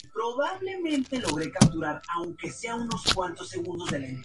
El moderno Concert Hall debe su acústica única al revestimiento de madera.